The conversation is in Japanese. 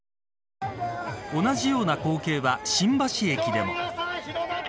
同じような光景は新橋駅でも。